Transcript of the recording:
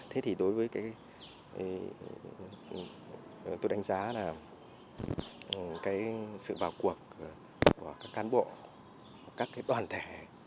thế thì đối với tôi đánh giá là sự vào cuộc của các cán bộ các đoàn thể